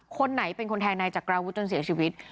คนไหนเป็นคนแทงนายจักราวุฒิจนเสียชีวิต